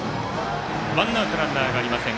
ワンアウトランナーがありません。